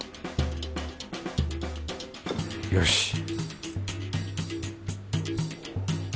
よし！